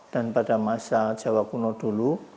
dan pada masa jawa kuno dulu